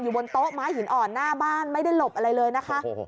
บนโต๊ะม้าหินอ่อนหน้าบ้านไม่ได้หลบอะไรเลยนะคะ